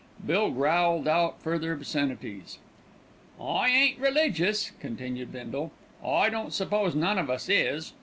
Bill growled out further obscenities. "I ain't religious," continued Bindle, "I don't suppose none of us is.